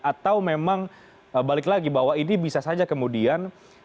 atau memang balik lagi bahwa ini bisa saja kemudian